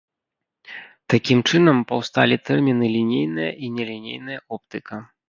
Такім чынам паўсталі тэрміны лінейная і нелінейная оптыка.